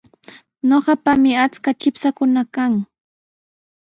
Ñuqapami achka chipshaakuna kan.